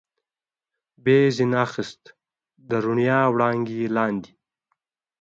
به یې ځنې اخیست، د رڼا وړانګې لاندې.